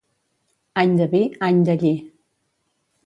Any de vi, any de lli.